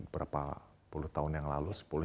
berapa puluh tahun yang lalu